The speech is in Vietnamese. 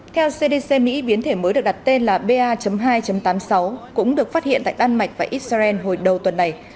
theo cdc mỹ biến thể mới được đặt tên là ba hai tám mươi sáu cũng được phát hiện tại đan mạch và israel hồi đầu tuần này